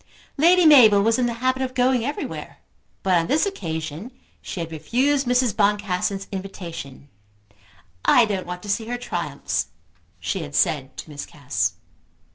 Lady Mabel was in the habit of going everywhere, but on this occasion she had refused Mrs. Boncassen's invitation. "I don't want to see her triumphs," she had said to Miss Cass.